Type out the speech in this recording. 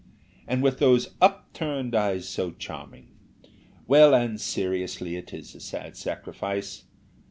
and with those upturned eyes so charming! Well, and seriously it is a sad sacrifice.